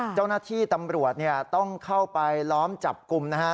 เจ้าหน้าที่ตำรวจต้องเข้าไปล้อมจับกลุ่มนะฮะ